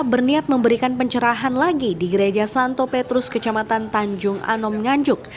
berniat memberikan pencerahan lagi di gereja santo petrus kecamatan tanjung anom nganjuk